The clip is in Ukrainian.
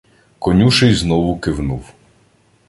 Конюший знову кивнув.